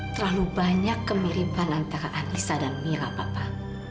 terlalu banyak kemiripan antara anissa dan mira papa